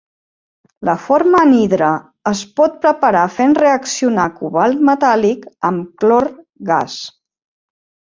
La forma anhidra es pot preparar fent reaccionar cobalt metàl·lic amb clor gas.